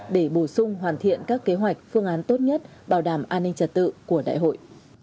để bổ sung hoàn thiện các kế hoạch phương án tốt nhất bảo đảm an ninh trật tự của đại hội